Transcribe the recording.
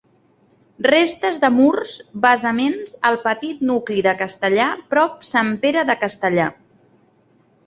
Restes de murs, basaments, al petit nucli de Castellar, prop Sant Pere de Castellar.